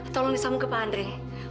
tolong disambung ke pak andre